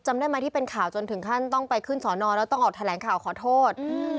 ได้ไหมที่เป็นข่าวจนถึงขั้นต้องไปขึ้นสอนอแล้วต้องออกแถลงข่าวขอโทษ